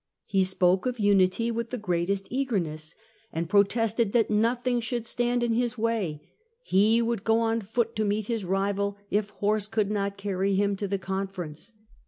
He spoke of unity with the greatest eagerness and protested that nothing should stand in his way ; he would go on foot to meet his rival if horse could not carry him to the Conference.